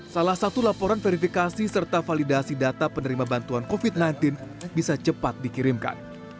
salah satu laporan verifikasi serta validasi data penerima bantuan covid sembilan belas bisa cepat dikirimkan